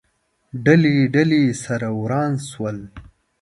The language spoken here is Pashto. ډلې، ډلې، سره وران شول